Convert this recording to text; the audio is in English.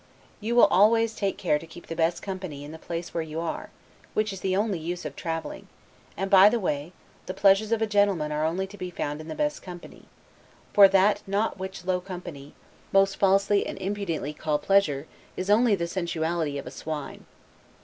You will always take care to keep the best company in the place where you are, which is the only use of traveling: and (by the way) the pleasures of a gentleman are only to be found in the best company; for that not which low company, most falsely and impudently, call pleasure, is only the sensuality of a swine.